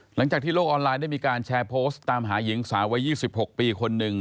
หลังจากที่โลกออนไลน์ได้มีการแชร์โพสต์ตามหาหญิงสาววัย๒๖ปีคนหนึ่ง